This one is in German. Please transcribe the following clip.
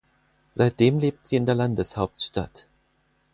Seitdem lebt sie in der Landeshauptstadt.